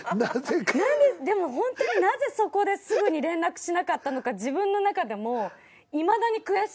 でもホントになぜそこですぐに連絡しなかったのか自分の中でもいまだにクエスチョンで。